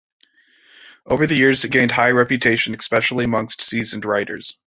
Over the years it gained high reputation especially amongst seasoned riders.